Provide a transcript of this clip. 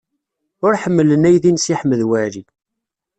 Ur ḥemmlen aydi n Si Ḥmed Waɛli.